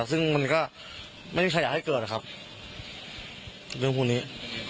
ซึ่งมันก็ไม่มีใครอยากให้เกิดนะครับเรื่องพวกนี้